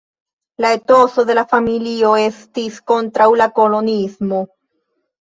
La etoso de la familio estis kontraŭ la koloniismo.